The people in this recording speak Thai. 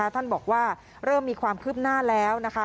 ท่านบอกว่าเริ่มมีความคืบหน้าแล้วนะคะ